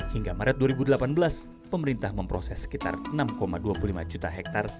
hingga maret dua ribu delapan belas pemerintah memproses sekitar enam dua puluh lima juta hektare